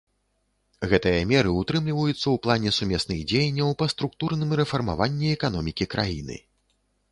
Гэтыя меры ўтрымліваюцца ў плане сумесных дзеянняў па структурным рэфармаванні эканомікі краіны.